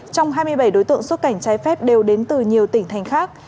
trong hai mươi bảy đối tượng xuất cảnh trái phép đều đến từ nhiều tỉnh thành khác